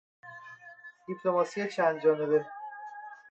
دیپلماسی چند جانبه